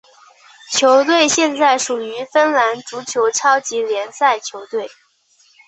球队现在属于芬兰足球超级联赛球队。